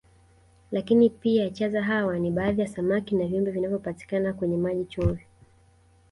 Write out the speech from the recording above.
Lakini pia chaza hawa ni baadhi ya samaki na viumbe vinavyopatikana kwenye maji chumvi